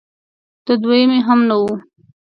د دویمې هم نه و